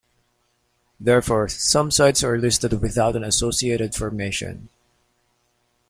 Therefore, some sites are listed without an associated formation.